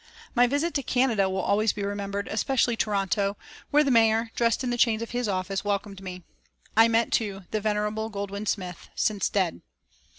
My visit to Canada will always be remembered, especially Toronto, where the mayor, dressed in the chains of his office, welcomed me. I met too the venerable Goldwin Smith, since dead.